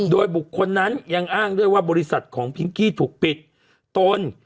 โดยบุคคลนั้นยังอ้างด้วยว่าบริษัทของพิงกี้ถูกปิดตน